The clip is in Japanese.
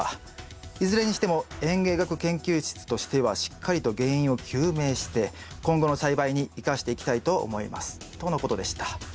いずれにしても園芸学研究室としてはしっかりと原因を究明して今後の栽培に生かしていきたいと思います」とのことでした。